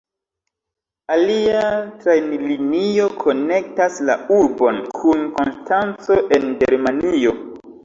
Alia trajnlinio konektas la urbon kun Konstanco en Germanio.